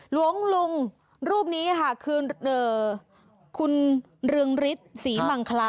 หลวงลุงรูปนี้ค่ะคือคุณเรืองฤทธิ์ศรีมังคลา